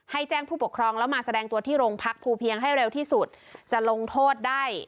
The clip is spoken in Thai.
แจ้งผู้ปกครองแล้วมาแสดงตัวที่โรงพักภูเพียงให้เร็วที่สุดจะลงโทษได้